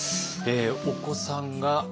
お子さんが３人？